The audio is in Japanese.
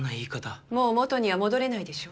もう元には戻れないでしょ？